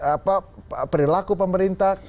apa perilaku pemerintah